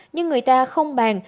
nhưng người ta không bàn